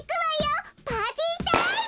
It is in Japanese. パーティータイム！